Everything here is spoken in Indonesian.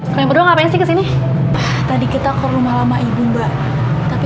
kemudian apa sih kesini tadi kita ke rumah lama ibu mbak tapi